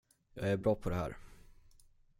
Jag är bra på det här.